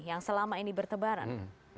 yang selama ini bertebaran